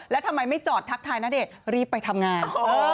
แล้วทำไมไม่จอดทักทายณเดชน์รีบไปทำงาน